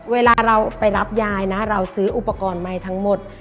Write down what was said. เวลาเราไปรับยายนะเราซื้ออุปกรณ์ใหม่ทั้งหมด